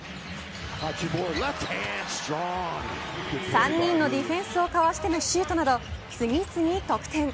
３人のディフェンスを交わしてのシュートなど次々、得点。